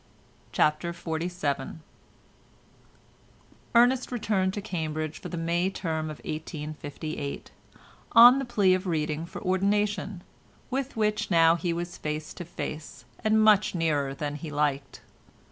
CHAPTER XLVII Ernest returned to Cambridge for the May term of 1858, on the plea of reading for ordination, with which he was now face to face, and much nearer than he liked.